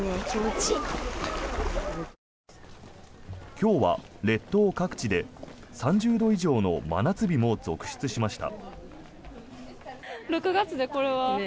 今日は列島各地で３０度以上の真夏日も続出しました。